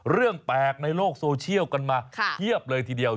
เรื่องแปลกในโลกโซเชียลกันมาเพียบเลยทีเดียว